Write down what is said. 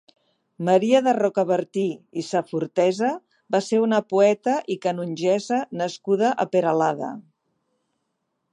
Maria de Rocabertí i Safortesa va ser una poeta i canongessa nascuda a Peralada.